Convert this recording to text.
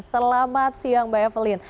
selamat siang mbak evelyn